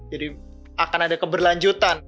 jadi akan ada keberlanjutan